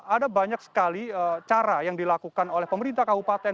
ada banyak sekali cara yang dilakukan oleh pemerintah kabupaten